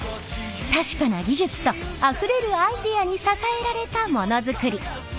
確かな技術とあふれるアイデアに支えられたモノづくり。